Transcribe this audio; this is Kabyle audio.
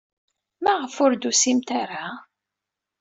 Maɣef ur d-tusimt ara?